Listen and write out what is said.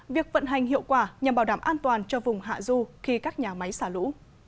việc vận hành hiệu quả nhằm bảo đảm an toàn cho vùng hạ du khi các nhà máy xả lũ